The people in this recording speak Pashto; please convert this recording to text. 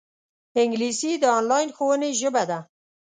انګلیسي د انلاین ښوونې ژبه ده